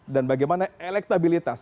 dan bagaimana elektabilitas